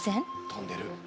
とんでる。